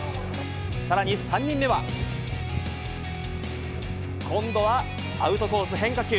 さらに３人目は、今度はアウトコース、変化球。